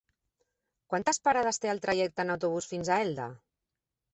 Quantes parades té el trajecte en autobús fins a Elda?